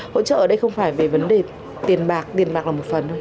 hỗ trợ ở đây không phải về vấn đề tiền bạc tiền bạc là một phần